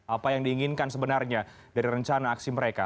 apa yang diinginkan sebenarnya dari rencana aksi mereka